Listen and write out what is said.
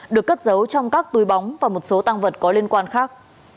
được cất giấu trong các túi bóng và một số tăng vật có liên quan khác